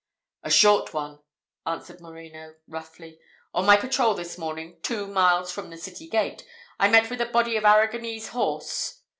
"A short one," answered Moreno, roughly. "On my patrol this morning, two miles from the city gate, I met with a body of Arragonese horse.